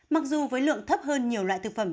mặc dù với lượng thấp hơn nhiều loại thực phẩm